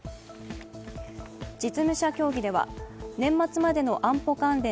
実務者協議では、年末までの安保関連